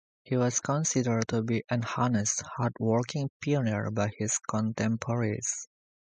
He was considered to be an honest, hardworking pioneer by his contemporaries.